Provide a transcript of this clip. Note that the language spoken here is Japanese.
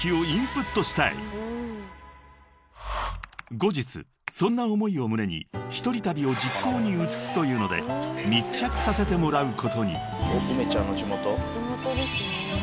［後日そんな思いを胸に一人旅を実行に移すというので密着させてもらうことに］